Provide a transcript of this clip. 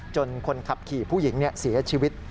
คนขับขี่ผู้หญิงเสียชีวิต